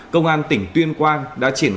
công an tỉnh tuyên quang đã chỉnh